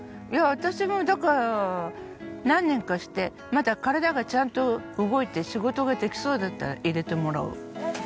私もだから何年かしてまだ体がちゃんと動いて仕事ができそうだったら入れてもらう。